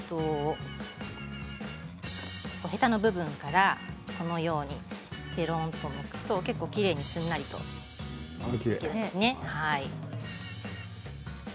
ヘタの部分から、このようにぺろんとむくと結構きれいにすんなりとむけますね。